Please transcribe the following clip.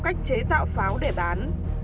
cách chế tạo pháo để bán